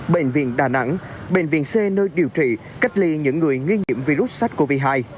bệnh viện đà nẵng bệnh viện c nơi điều trị cách ly những người nghi nhiễm virus sars cov hai